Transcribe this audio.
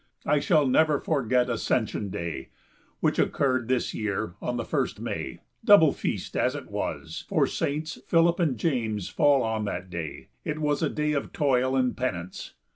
I shall never forget Ascension Day, which occurred this year on the 1st May. Double feast as it was for SS. Philip and James falls on that day it was a day of toil and penance.